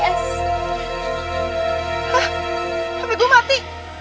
hah hape gue mati